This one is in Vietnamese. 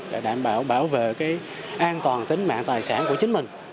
để đảm bảo bảo vệ cái an toàn tính mạng tài sản của chính mình